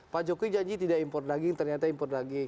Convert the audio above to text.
pak jokowi janji tidak impor daging ternyata impor daging